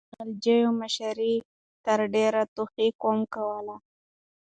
د غلجيو قبيلې مشري تر ډيرو توخي قوم کوله.